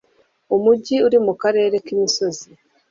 Umujyi uri mukarere k'imisozi.